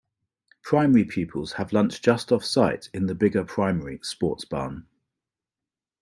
Primary pupils have lunch just offsite in the Biggar Primary Sports Barn.